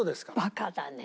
バカだね。